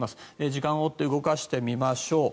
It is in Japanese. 時間を追って動かしてみましょう。